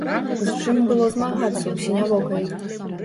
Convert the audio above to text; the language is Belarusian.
З чым было змагацца ў сінявокай?